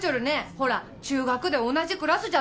ほら中学で同じクラスじゃった。